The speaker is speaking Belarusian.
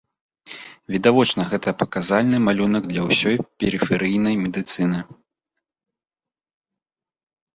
Відавочна, гэта паказальны малюнак для ўсёй перыферыйнай медыцыны.